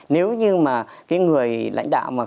nếu như mà người lãnh đạo